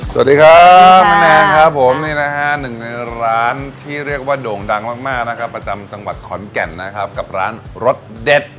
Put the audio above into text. สวัสดีครับป้าแนนครับผมนี่นะฮะหนึ่งในร้านที่เรียกว่าโด่งดังมากมากนะครับประจำจังหวัดขอนแก่นนะครับกับร้านรสเด็ด